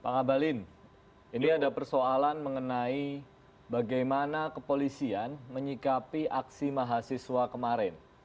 pak ngabalin ini ada persoalan mengenai bagaimana kepolisian menyikapi aksi mahasiswa kemarin